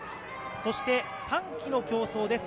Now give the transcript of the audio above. そして、短期の競争です。